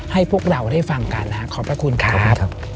ให้พวกเราได้ฟังกันขอบพระคุณค่ะ